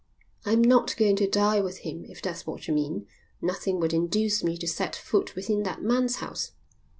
"I'm not going to dine with him if that's what you mean. Nothing would induce me to set foot within that man's house."